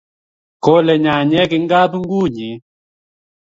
Kole nyanyek eng kabungunyi